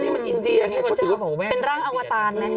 เป็นรังอวตารนะ